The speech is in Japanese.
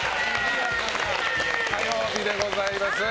火曜日でございます。